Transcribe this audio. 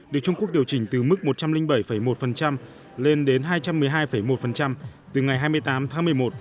được trung quốc điều chỉnh từ mức một trăm linh bảy một lên đến hai trăm một mươi hai một từ ngày hai mươi tám tháng một mươi một